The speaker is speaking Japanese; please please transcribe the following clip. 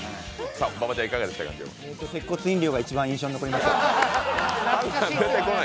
鉄骨飲料が一番印象に残りました。